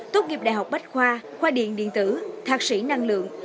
tốt nghiệp đại học bách khoa khoa điện điện tử thạc sĩ năng lượng